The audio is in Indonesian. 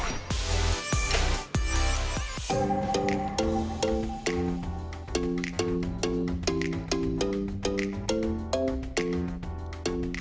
hingga empat puluh lima rupiah